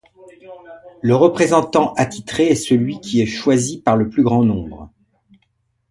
Le représentant attitré est celui qui est choisi par le plus grand nombre.